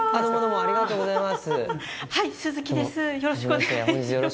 ありがとうございます。